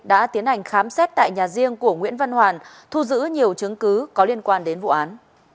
đã tiến hành khám xét tại nhà riêng của nguyễn văn hoàn thu giữ nhiều chứng cứ có liên quan đến vụ án